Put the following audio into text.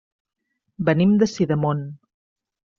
Venim de Sidamon.